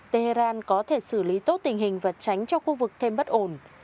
tehran có thể xử lý tốt tình hình và tránh cho khu vực thêm bất ổn